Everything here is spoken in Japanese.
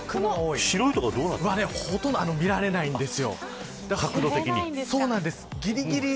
ほとんど見られないんです。